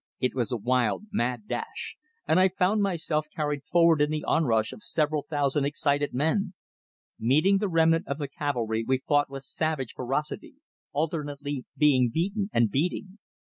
It was a wild, mad dash, and I found myself carried forward in the onrush of several thousand excited men. Meeting the remnant of the cavalry we fought with savage ferocity, alternately being beaten and beating.